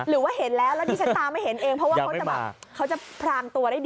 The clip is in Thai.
หรือว่าเห็นแล้วแล้วดิฉันตาไม่เห็นเองเพราะว่าเขาจะแบบเขาจะพรางตัวได้ดี